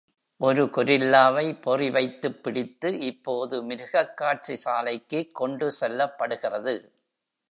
ஒரு கொரில்லாவை பொறிவைத்துப் பிடித்து இப்போது மிருகக்காட்சிசாலைக்கு கொண்டு செல்லப்படுகிறது.